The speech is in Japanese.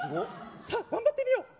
さあ、頑張ってみよう！